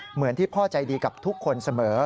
เหมือนที่พ่อใจดีกับทุกคนเสมอ